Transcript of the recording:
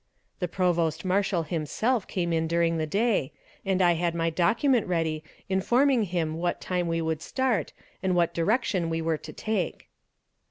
The Provost Marshal himself came in during the day, and I had my document ready informing him what time we would start and what direction we were to take.